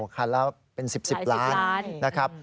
คันละเป็น๑๐๑๐ล้านนะครับ